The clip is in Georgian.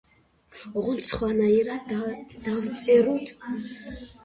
ოღონდ, სხვანაირად დავწეროთ.